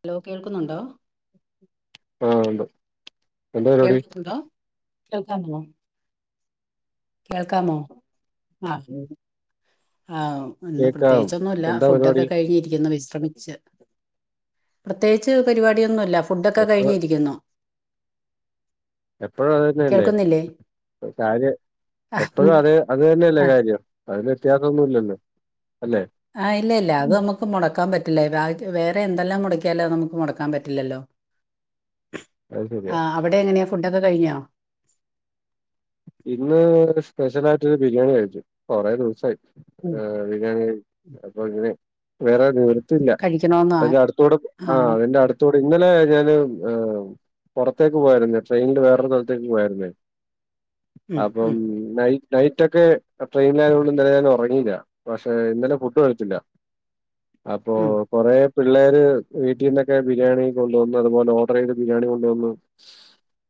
Hello കേൾക്കുന്നുണ്ടോ ആഹ്ണ്ട് കേൾക്കുന്നുണ്ടോ കേൾക്കാമോ കേൾക്കാമോ ആഹ് ആഹ് ന്ന് പ്രെത്യേകിച്ചൊന്നുല്ല ഫുഡൊക്കെ കഴ്ഞ്ഞിരിക്കുന്നു വിശ്രെമിച്ച് പ്രെത്യേകിച്ച് പെരിവാട്യൊന്നുല്ല ഫുഡൊക്കെ കഴ്ഞ്ഞിരിക്കുന്നു എപ്പൊഴും അതെന്നെല്ലേ [unintelligible] ആകെ എപ്പോഴും അതേ അത് തെന്നെല്ലേ കാര്യം അതിന് വെത്യാസൊന്നുല്ലല്ലോ അല്ലേ ആഹ് ഇല്ലല്ലാ അത് നമുക്ക് മൊടക്കാൻ പറ്റില്ല വേറെ എന്തെല്ലാം മൊടക്കിയാലോ അത് നമുക്ക് മൊടക്കാൻ പറ്റില്ലല്ലോ ആഹ് അവിടെങ്ങനേ ഫുഡൊക്കെ കഴിഞ്ഞോ ഇന്ന് സ്പെഷലായ്ട്ടൊര് ബിരിയാണി കഴ്ച്ചു കൊറേ ദെവ്സായി ആഹ് ബിര്യാണി അപ്പൊങ്ങനെ വേറെ നിവ റ്റല്ല അയ്ന്റെ അട്ത്തോടെ ആഹ് അതിന്റെ അട് ത്തോട് ഇന്നലെ ഞാൻ പൊറത്തേക്ക് പോയായിരുന്നേ ട്രെയിനില് വേറൊരു സ്ഥല്ത്ത്ക്ക് പോയായിരുന്നേ അപ്പം നൈ നൈറ്റൊക്കെ ട്രെയിനിലായതോണ്ട് ന്നലെ ഞാനൊറ്ങ്ങീല്ലാ പക്ഷെ ഇന്നലെ ഫുഡും കഴിച്ചില്ല അപ്പോ കൊറേ പിള്ളേര് വീട്ടീന്നൊക്കെ ബിര്യാണി കൊണ്ട് വന്നു അതുപോലെ ഓർഡറെയ്ത ബിര്യാണി കൊണ്ടുവന്നു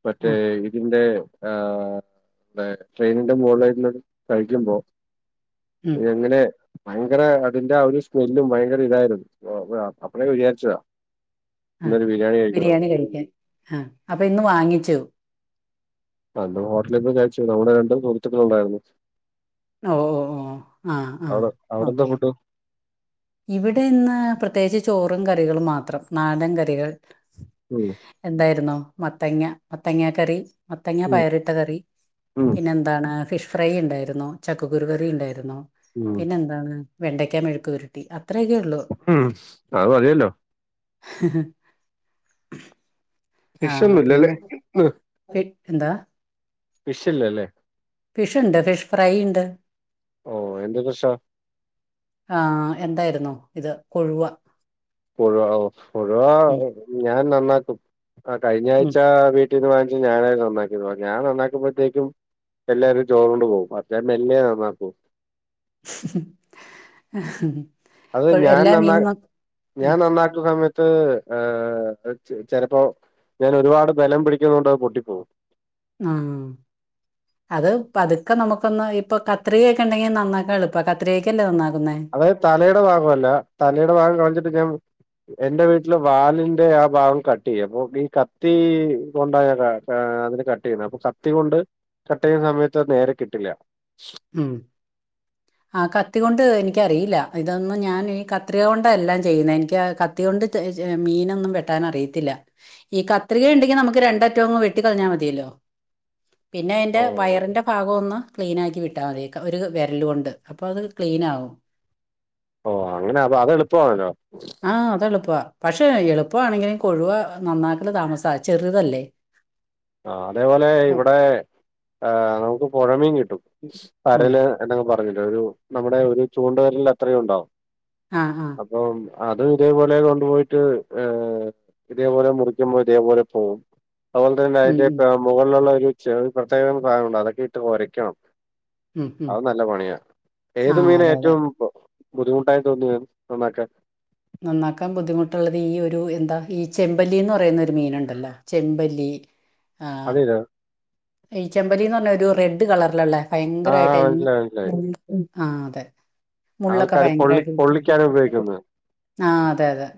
മറ്റേ ഇതിന്റെ ആഹ് ട്രെയിനിന്റെ മോളെര്ന്ന് കഴിക്കുമ്പോ എങ്ങനെ ഭയ്ങ്കര അതിന്റെ ആ ഒരു സ്മെല്ലും ഭയ്ങ്കര ഇതായിരുന്നു അപ്പഴേ വിചാര്ച്ചതാ ന്നൊരു ബിര്യാണി കഴ്ക്കണം ആഹ് അപ്പന്ന് വാങ്ങിച്ചു അന്ന് ഹോട്ടലിന്ന് കഴ്ച്ച് നമ്മടെ രണ്ട് സുഹൃത്തുക്കളുണ്ടായ്ര്ന്നു അവ്ടെ അവ്ടെന്താ ഫുഡ് ഇവിടെ ഇന്ന് പ്രത്യേകിച്ച് ചോറും കറികളും മാത്രം നാടൻ കറികൾ ഉം എന്തായിരുന്നോ മത്തെങ്ങ്യ മത്തെങ്ങ്യാ കറി മത്തെങ്ങ്യപയറിട്ട കറി പിന്നെന്ത ന്താണ് ഫിഷ് ഫ്രൈണ്ടായ്ര്ന്നു ചക്കക്കുരു കറീണ്ടായ്ര്ന്നു പിന്നെന്താണ് വെണ്ടെക്കാ മെഴക്ക്പുരട്ടി അത്രെക്കെ ഉം അത് മത്യല്ലോ [unintelligible] ഫിഷൊന്നുല്ലല്ലേ എ എന്താ ഫിഷ്ല്ലലേ ഫിഷ്ണ്ട് ഫിഷ് ഫ്രൈണ്ട് ഓഹ് എന്ത് ഫിഷാ ആഹ് എന്തായിരുന്നോ ഇത് കൊഴുവ കൊഴുവ ഓഹ് കൊഴുവ ഞാൻ നന്നാക്കും ആഹ് കഴിഞ്ഞാഴ്ച വീട്ട തീര്മാന്ച്ച് ഞാനാ [unintelligible] ഞാൻ നന്നാക്കുമ്പഴത്തേക്കും എല്ലാരും ചോറ് കൊണ്ട് പോകും [unintelligible] മെല്ലേെ നന്നാക്കും [inaudible] അത് ഞാൻ നന്നാ ഞാൻ നന്നാക്ക്യ സമയ ത്ത് ഏഹ് ചെ ചെല്പ്പോ ഞാനൊര്പാട് ബെലം പിടിക്കുന്നോണ്ടത് പൊട്ടിപ്പോവും ആഹ് [inaudible] അത് പതുക്ക നമുക്കൊന്ന് ഇപ്പോ കത്രികെക്കെണ്ടെങ്കി നന്നാക്കാനെളുപ്പാ കത്രികെക്കല്ലേ നന്നാക്ക്ന്നേ അതായത് തലയുടെ ഭാഗൊല്ല തലയുടെ ഭാഗം കളഞ്ഞിട്ട് ഞാൻ എൻ്റെ വീട്ടിൽ വാലിന്റെ ആ ഭാഗം കട്ടെയ്യും അപ്പൊ ഈ കത്തീ കൊണ്ടായതാ ആഹ് അതിനെ കട്ടെയ്യ്ന്നേ അപ്പൊ കത്തി കൊണ്ട് കട്ടെയ്യ്ന്ന സമയത്തത് നേരെ കിട്ടില്ല ഉം [inaudible] ആഹ് കത്തികൊണ്ട് എനിക്കറിയില്ലാ ഇതൊന്നും ഞാൻ ഈ കത്രികകൊണ്ടാ എല്ലാം ചെയ്യുന്നേ എനിക്കാ ക ത്തി കൊണ്ട് തെ മീനൊന്നും വെട്ടാനറിയത്തില്ല ഈ കത്രികയുണ്ടെങ്കി നമുക്ക് രണ്ടറ്റവും അങ്ങ് വെട്ടി കളഞ്ഞാ മതിയല്ലോ. പിന്നെ അയിൻ്റെ വയറിന്റെ ഭാഗൊന്ന് ക്ലീനാക്കി വിട്ട് ട്ടാമതി ഒരു വെരല്കൊണ്ട് അപ്പൊ അത് ക്ലീനാകും. ഓഹ് അങ്ങനെ അതൊ അത് എളുപ്പവാണല്ലോ. ആഹ് അതെളുപ്പവാ പശെ എളുപ്പവാണെങ്കിലും കൊഴുവ നന്നാക്കല് താമസാ ചെറ്തല്ലേ. ആഹ് അതേപോലെ ഇവിടെ ഹ് നമുക്ക് പൊഴമീ കിട്ടും പരല്. എന്നക്കെ പറഞ്ഞില്ലേ ഒരു നമ്മുടെ ഒരു ചൂണ്ടവെരലിന്റെ അത്രേ ഉണ്ടാവും. ആഹ്, ആഹ്. അപ്പം അതും ഇതേപോലെ കൊണ്ടുപോയിട്ട് ഏഹ്. ഇതേപോലെ മുറിക്കുമ്പോ ഇതേപോലെ പോവും അതുപോല തന്നെ. [unintelligible] മുകളിലുള്ളൊരു [unintelligible] പ്രത്യേകം സാനം ഉണ്ട് അതൊക്കെ ഇട്ടൊരക്കണം. അത് നല്ല പണിയാ, ഏത് മീനാ ഏറ്റവും. ബുദ്ധിമുട്ടായി തോന്നിയെ നന്നാക്കാൻ. നന്നാക്കാൻ ബുദ്ധിമുട്ടുള്ളത് ഈ ഒരു എന്താ ഈ ചെമ്പല്ലീന്ന് പറയുന്നൊരു മീനുണ്ടല്ലോ ചെമ്പല്ലി. [inaudible] അതേതാ. ഈ ചെമ്പല്ലീന്ന് പറഞ്ഞ ഒരു റെഡ് കളറിലള്ളേ ഭയങ്കരമായിട്ട് അയിന് മുള്ള്. ഉം ആഹ് അതെ മുള്ളൊക്കെ ഭയങ്കരമായിട്ട് ആഹ് അതെ, അതെ.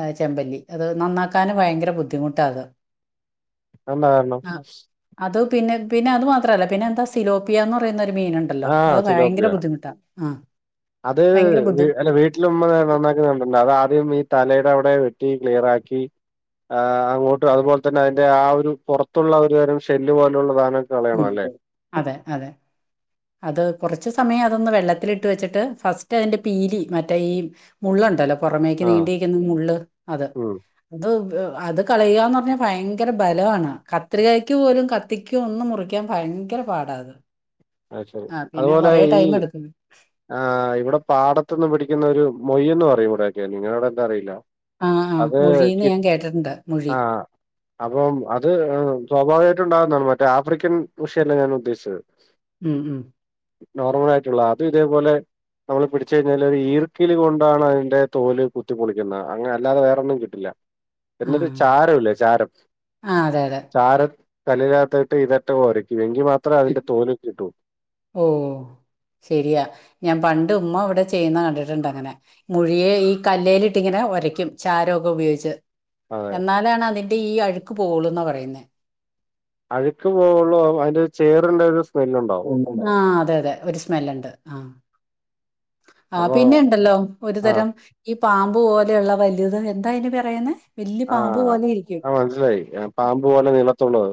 ആഹ് ചെമ്പല്ലി. അത് നന്നാക്കാന് ഭയങ്കര ബുദ്ധിമുട്ടാ അത്. എന്താ കാരണം? അത് പിന്നെ, പിന്നെ അത് മാത്രല്ല പിന്നെ എന്താ സിലോപിയാന്ന് പറയുന്നൊരു മീന്ണ്ട്. ആഹ സിലോപിയാ അത് അല്ല വീട്ടിലുമ്മ നന്നാക്കുന്ന ക അതാദ്യം ഈ തലേടെ അവിടെ വെട്ടി ക്ലിയറാക്കി. ഏഹ് അങ്ങോട്ട് അതുപോലതന്നെ അതിന്റെ ആ ഒരു പൊറത്തുള്ള ഒരു തരം ഷെല്ല് പോലുള്ള സാനം. [unintelligible] അതെ, അതെ. അത് കൊറച്ച് സമയം അതൊന്ന് വെള്ളത്തിലിട്ട് വെച്ചിട്ട് ഫസ്റ്റയിന്റെ പീലി മറ്റേ ഈ. മുള്ളുണ്ടല്ലോ, പൊറമേക്ക് നീണ്ടീക്കുന്ന മുള്ള് അത്. അത് അത് കളയാന്ന് പറഞ്ഞാ ഭയങ്കര ബലമാണ് കത്രികാക്ക് പോലും ക ത്തിക്കൊ ഒന്ന് മുറിക്കാൻ ഭയങ്കര പാടാ അത്. അഹ് ശെരി അതുപോലെ ഈ. ആഹ് ഇവിടെ പാടത്ത്ന്ന് പിടിക്കുന്നൊരു മൊയ്യെന്ന് പറയും ഇവിടൊക്കെ നിങ്ങടവിടെ എന്താ അറിയില്ല. ആഹ്, ആഹ് മുഴീന്ന് ഞാൻ കേട്ടിട്ട്ണ്ട് മുഴി. അപ്പം അത് ഹ് സ്വാഭാവികായിട്ട് ഉണ്ടാവുന്നതാണ് മറ്റേ ആഫ്രിക്കൻ മുഷയല്ല ഞാനുദ്ദേശിച്ചത്. ഉം, ഉം. നോർമലായിട്ടുള്ള അതും ഇതേപോലെ. നമ്മള് പിടിച്ച് കഴിഞ്ഞാലൊരു ഈർക്കിലി കൊണ്ടാണ് അയിന്റെ തോല് കുത്തിപ്പൊളിക്കുന്നത് അങ്ങനെ അല്ലാതെ വേറൊന്നും കിട്ടില്ല. എന്നിട്ട് ചാരവില്ലേ ചാരം ചാരം കല്ലില്ലാത്ത്ട്ട് ഇതിട്ട് ഒരക്കും. വെങ്കി മാത്രേ അതിന്റെ തോൽകിട്ടൊള്ളു. ഓഹ് ശരിയാ ഞാ പണ്ട് ഉമ്മ ഇവടെ ചെയ്യുന്ന കണ്ടിട്ടുണ്ടങ്ങനെ. മുഴിയെ ഈ കല്ലേലിട്ടിങ്ങനെ ഒരയ്ക്കും ചാരവൊക്കെ ഉപയോഗിച്ച്. എന്നാലാണ് അതിന്റെ ഈ അഴുക്ക് പോകൊള്ളൂന്നാ പറയുന്നെ. അഴുക്ക് പോവൊള്ളൂ അയിന്റെരു ചേറിന്റൊരു സ്മെല്ലുണ്ടാവും. ആഹ് അതെ, അതെ ഒരു സ്മെല്ലുണ്ട് ആഹ്. ആഹ പിന്നെ ഉണ്ടല്ലോ ഒരുതരം ഈ പാമ്പു പോലെയുള്ള വലുത് എന്താ ആയിന് പറയുന്നേ. ആഹ് ആഹ മനസ്സിലായി പാമ്പ് പോലെ നീളത്തുള്ളത്.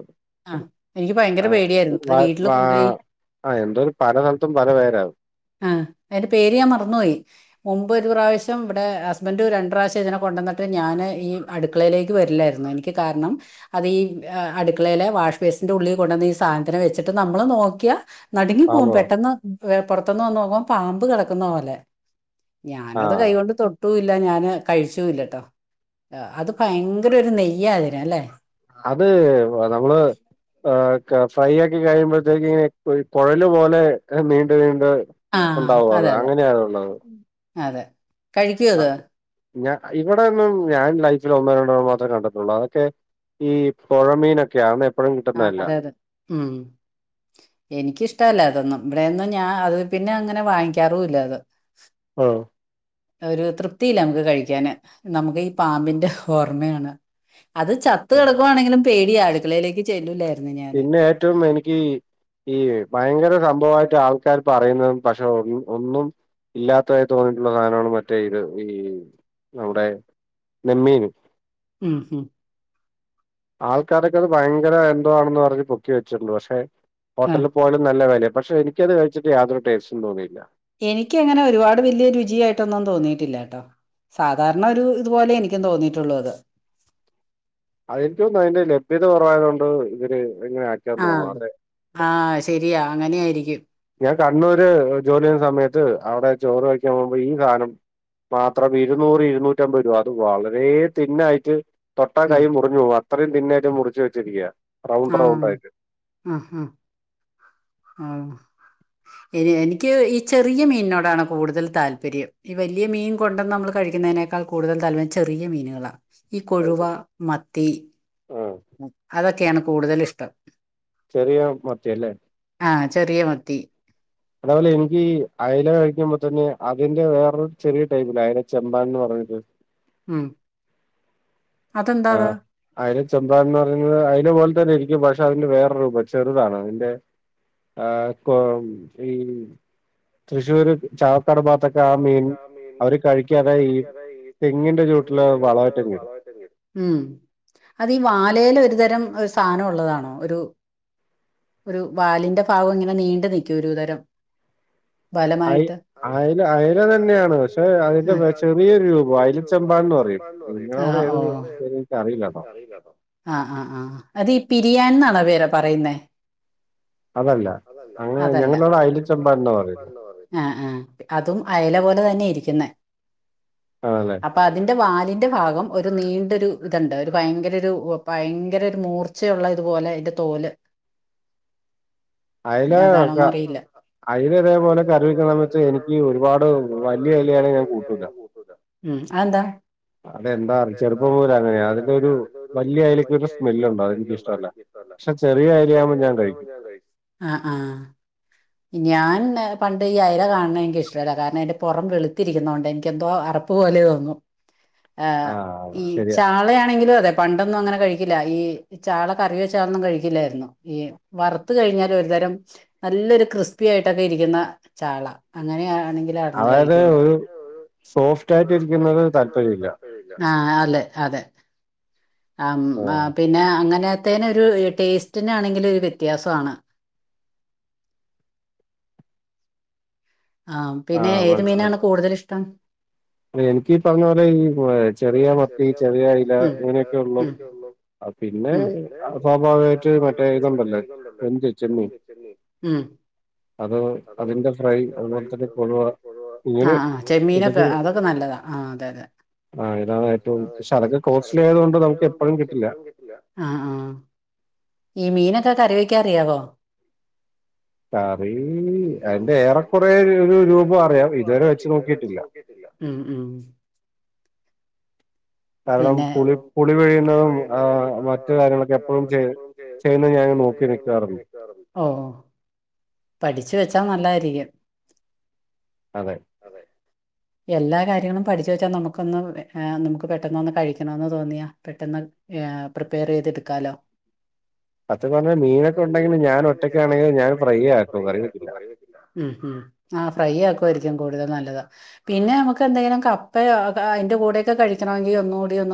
ആഹ് എനിക്ക് ഭയങ്കര പേടിയായിരുന്നു അത് വീട്ടില് കൊണ്ടോയി. ആഹ് യെന്തോരു പല സ്ഥലത്തും പല പേരാണ്. ആഹ് അയിന്റെ പേര് ഞാ മറന്നുപോയി. മുമ്പൊരു പ്രാവശ്യം ഇവിടെ ഹസ്ബന്റ് രണ്ട് പ്രാവശ്യം ഇതിനെ കൊണ്ടന്നിട്ട് ഞാന് ഈ. അടുക്കളയിലേക്ക് വരില്ലാര്ന്നു എനിക്ക് കാരണം. അത് ഈ അടുക്കളയിലെ വാഷ് ബേസിന്റെ ഉള്ളിൽ കൊണ്ടന്ന് സാധനത്തിനെ വെച്ചിട്ട് നമ്മള് നോ നടുങ്ങി പോവും പെട്ടെന്ന് പുറത്തുന്ന് വന്നു നോക്കുമ്പ പാമ്പ് കിടക്കുന്ന പോലെ ഞാനത് കൈകൊണ്ട് തൊട്ട ട്ടൂല്ല ഞാന് കഴിച്ചൂല്ലട്ടോ അത് ഭയങ്കര ഒരു നെയ്യാ അതിന ല്ലേ അത് നമ്മള് ആ ഫ്രൈ ആക്കി കഴിയുമ്പോത്തേക്ക് ങ്ങനെ കൊഴല് പോലെ നീണ്ട് നീണ്ട് ഒണ്ടാവും അത് അങ്ങനെയാണുള്ളത് അതെ കഴിക്കോ അത് ഞ ഇവിടൊന്നും ഞാൻ ലൈഫിലൊന്നോ രണ്ടണ്ണം മാത്രേ കണ്ടട്ട്ള്ളൂ അതൊക്കെ ഈ പൊഴമീനൊക്കെയാന്നേ ആ അതെ അതെ ഉം എനിക്കിഷ്ടല്ല അതൊന്നും ഇവിടെന്നും ഞാൻ അത് പിന്നെ അങ്ങനെ വാങ്ങിക്കാറൂല്ല അത് ആ ഒരു തൃപ്തിയില്ല നമുക്ക് കഴിക്കാന് നമുക്ക് ഈ പാമ്പിന്റെ ഓർമയാണ് അത് ചത്ത് കെടക്കുവാണെങ്കിലും പേടിയാ അടുക്കളയിലേക്ക് പിന്നെ ഏറ്റവും എനിക്ക് ഈ ഭയങ്കര സംഭവമായിട്ട് ആൾക്കാര് പറയുന്നത് പക്ഷെ ഒ ഒന്നും ഇല്ലാത്തതായി തോന്നിയിട്ടുള്ള സാനാണ് മറ്റേ ഇത് ഈ നമ്മുടെ നെമ്മീന് ഉം ഉം ആൾക്കാരൊക്കെ അത് ഭയങ്കര എന്തോ ആണെന്ന് പറഞ്ഞ് പൊക്കി വെച്ചിട്ടുണ്ട് പക്ഷെ ഹോട്ടലിൽ പോയാലും നല്ല വെലെ പക്ഷെനിക്കത് കഴിച്ചിട്ട് യാതൊരു ടേസ്റ്റും തോന്നിയില്ല എനിക്കങ്ങനെ ഒരുപാട് വെല്യ രുചിയായിട്ടൊന്നും തോന്നിട്ടില്ല ട്ടോ സാധാരണ ഒരു ഇതുപോലെ എനിക്കും തോന്നിട്ടുള്ളൂ അത് അതെനിക്ക് തോന്നുന്നു അതിന്റെ ലഭ്യത കൊറവായതോണ്ട് ഇതിന് ങ്ങനെ ആഖ്യാന്ന് തോന്നുന്നു അതെ ആ ശെരിയാ അങ്ങനെയായിരിക്കും ഞാൻ കണ്ണൂര് ജോലി ചെയ്യുന്ന സമയത്ത് അവടെ ചോറ് വെയ്ക്കാൻ പോകുമ്പോ ഈ സാനം മാത്രം ഇരുന്നൂറ് ഇരുന്നൂറ്റമ്പത് രൂപ അത് വളരെ തിന്നായിട്ട് തൊട്ട കൈ മുറിഞ്ഞു പോകും അത്രയും തിന്നായിട്ട് മുറിച്ച് വെച്ചിരിക്ക റൗണ്ട് റൗണ്ടായിട്ട് അ ഹ ഹ ആ എനി എനിക്ക് ഈ ചെറിയ മീനിനോടാണ് കൂടുതൽ താല്പര്യം ഈ വല്യ മീൻ കൊണ്ടന്നമ്മള് കഴിക്കുന്നതിനേ ക്കാൾ കൂടുതൽ താല്പര്യം ചെറിയ മീനുകളാ ഈ കൊഴുവ മത്തി ആ ഉം അതൊക്കെയാണ് കൂടുതൽ ഇഷ്ടം ചെറിയ മത്തി അല്ലേ ആ ചെറിയ മത്തി അതേപോലെ എനിക്ക് അയല കഴിക്കുമ്പോ തന്നെ അതിന്റെ വേറൊരു ചെറിയ ടൈപ്പില്ലേ അയല ചെമ്പാൻന്ന് പർഞ്ട്ട് ഉം ആ അയ്ല ചെമ്പാൻ ന്ന് പറയുന്നത് അയ്ല പോലെ തന്നെ ഇരിക്കും പക്ഷെ അതിന്റെ വേറെ രൂപം ചെർതാണ് അതിന്റെ ആ കൊ ഈ തൃശ്ശൂര് ച കട ഭാത്തൊക്കെ ആ മീൻ അവര് കഴിക്കാതെ ഈ തെങ്ങിന്റെ ചോട്ടില് വളായിട്ടങ്ങിടും ഉം അതി വാലേല് ഒരുതരം സാനൊള്ളതാണോ ഒരു ഒരു വാലിന്റെ ഭാഗം ഇങ്ങനെ നീണ്ടു നിക്കും ഒരു തരം ബലമായിട്ട് അയ്ല അയ്ല തന്നെണ് പക്ഷെ അയ്ന്റെ ചെറിയൊരു രൂപം അയ്ല ചെമ്പാന് ന്ന് പറയും നിങ്ങളോട് ഏത് [unintelligible] ക്കറിയില്ലാട്ടോ ആ ആ ആ അതീ പിരിയാൻ ന്നാണോ [unintelligible] പറയുന്നേ അതല്ല അങ്ങനെ ഞങ്ങളിവിടെ അയല ചെമ്പാൻ ന്നാ പറയുന്നത് ആ ആ അതും അയല പോലെ തന്നെ ഇരിക്ക്ന്നെ ആണല്ലേ അപ്പൊ അതിന്റെ വാലിന്റെ ഭാഗം ഒരു നീണ്ടരൊ ത്ണ്ട് ഒരു ഭയങ്കരൊരു ഭയങ്കരൊരു മൂർ ച്ച ള്ള ഇതുപോലെ അതിന്റെ തോല് [inaudible] അയല അക അയൽ ഇതേപോലെ കറിവെക്കുന്നവെക്കുന്നസമയത്ത് എനിക്ക് എനിക്ക് ഒരുപാട് വലിയ അയില ആണേൽ ഞാൻ കൂട്ടൂല അതെന്താ ചെറുപ്പം പോലെ അങ്ങനെയാ അതിന്റെ ഒരു വലിയ അതിലക്കക്ക് ഒരു സ്മെല് ഉണ്ടാവും അതെനിക്ക് ഇഷ്ട്ടല്ല പക്ഷ ചെറിയ അയിലയാകുമ്പോൾ ഞാൻ കഴിക്കും ആ ആഹ ഞാൻ പണ്ട് ഈ അയല കാണണ് എനിക്ക് ഇഷ്ടമല്ല കാരണം എന്റെ പുറം വെളുത്തിരിക്കുന്നോണ്ട് എനക്ക്എ ന്തോ അറപ്പ് പോലെ തോന്നും ആ ഈ ചാളയാണെങ്കിലും അതെ പണ്ടൊന്നും അങ്ങനെ കഴിക്കില്ല ഈ ഈ ചാള കറിവച്ചാൽ അതൊന്നും കഴിക്കില്ലായിരുന്നു ഈ വറുത്ത കഴിഞ്ഞാല് ഒരുതരം നല്ലൊരു ക്രിസ്പി ആയിട്ടൊക്കെ ഇരിക്കുന്ന ചാള അങ്ങനെയാണെങ്കിൽ അതായത് ഒരു സോഫ്റ്റ് ആയിട്ടി രിക്കുന്നത് താല്പര്യ ഇല്ല ആ ലേ അതെ ആമ് മം പിന്നെ അങ്ങനെ തേനൊ ഒരു ടേസ്റ്റിനാണെങ്കിലും ഒരു വ്യത്യാസമാണ് ആ പിന്നെ ഏത് മീനാണ് കൂടുതൽ ഇഷ്ടം എനിക്ക്പറഞ്ഞ പോലെ ഈ ചെറിയ മത്തി ചെറിയ അയില അങ്ങനെയൊക്കെ ഉള്ളൂ പിന്നെ അവ സ്വാഭാവമായിട്ട് മറ്റേ ഇതുണ്ടല്ലോ ചെ മീൻ ചെമീൻ ഒക്കെ അ നല്ലതാണ് ആ അതെ അതെ ആ് ഇതാണ് ഏറ്റവും പക്ഷ അതക്ക് കോസ്‌ലി ആയത് കൊണ്ട് നമുക്ക് എപ്പോഴും കിട്ടില്ല ആഹ ആഹ ഈ മീനൊക്കെ കറിവെക്കാറിയാവോ കറി അതിന്റെ ഏറെകുറെ ഒരു രൂപം അറിയാം ഇതുവരെ വെച്ച് നോക്കിട്ടില്ല ഇം ഇം കാരണം പുളി പുളി കഴിയുന്നതും മറ്റു കാര്യങ്ങളൊക്കെ എപ്പോഴും ചെയ ചെയ്യുന്ന ഞാൻ അങ്ങനെ നോക്കി നിൽകാ ഉണ്ട് ഓ പഠിച്ച വെച്ചാ നല്ലായിരിക്കും അതെ എല്ലാ കാര്യങ്ങളും പഠിച്ച വെച്ചാ നമുക്കൊന്ന് നമുക്ക് പെട്ടെന്ന് ഒന്ന് കഴിക്കണന്ന് തോന്നിയ പെട്ടെന്ന് പ്രിപ്പയർ ചെയ്തെടുക്കാലോ അത് പറഞ്ഞെ മീനൊക്കെ ഉണ്ടെങ്കിൽ ഞാൻ ഒറ്റക്ക ആണെങ്കിൽ ഞൻ ഫ്രൈ ആക്കും കറി വെക്കില്ല ഉം ഹം ആ് ഫ്രൈ ആക്കുമായിരിക്കും കൂടുതൽ നല്ലതാ പിന്നെ നമുക്ക് എന്തെങ്കിലും കപ്പയോ അതിന്റെ കൂടെയൊക്ക കഴിക്കണമെങ്കിൽ ഒന്നുകൂടിന്ന